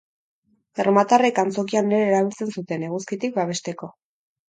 Erromatarrek, antzokian ere erabiltzen zuten, eguzkitik babesteko.